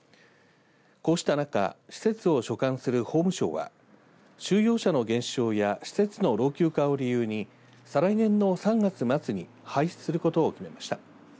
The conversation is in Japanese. こうした中施設を所管する法務省は収容者の減少や施設の老朽化を理由に再来年の３月末に廃止することを決めました。